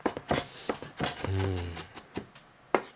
うん。